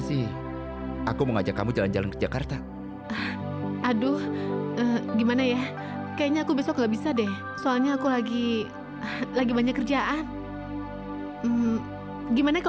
kalau siangnya kamu mencari mungkin ketahuan kemana perginya